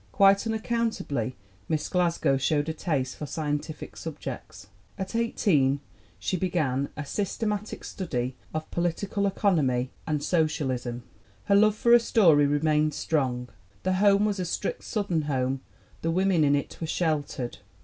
Quite unaccountably Miss Glasgow showed a taste for scientific subjects. At eighteen she began "a systematic study of political economy and 24 THE WOMEN WHO MAKE OUR NOVELS socialism." Her love for a story remained strong. The home was a strict Southern home, the women in it were "sheltered."